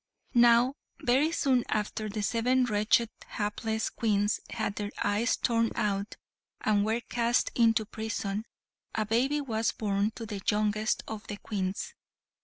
Now, very soon after the seven wretched hapless Queens had their eyes torn out, and were cast into prison, a baby was born to the youngest of the Queens.